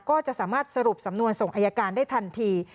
ก็จะสามารถสรุปสำนวนส่งอายการได้ทันที